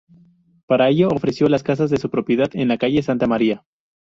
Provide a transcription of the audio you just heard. Para ello ofreció las casas de su propiedad en la calle de Santa María.